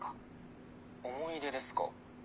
「思い出ですか？